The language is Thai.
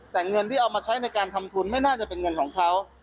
แต่เงินที่เอามาใช้ในการทำทุนไม่น่าจะเป็นเงินของเขา